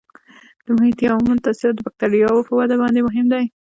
د محیطي عواملو تاثیرات د بکټریاوو په وده باندې مهم دي.